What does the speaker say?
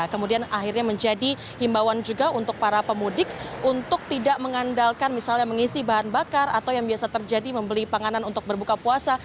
kemudian akhirnya menjadi himbawan juga untuk para pemudik untuk tidak mengandalkan misalnya mengisi bahan bakar atau yang biasa terjadi membeli panganan untuk berbuka puasa